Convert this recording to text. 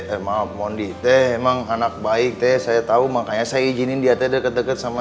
emang mondi teh emang anak baik teh saya tahu makanya saya izinin dia teh deket deket sama